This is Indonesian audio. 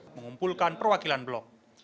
mengumpulkan perwakilan blok